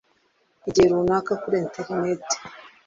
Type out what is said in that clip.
igihe runaka kuri interineti